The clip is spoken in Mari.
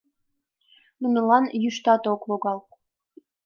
Нунылан йӱштат ок логал.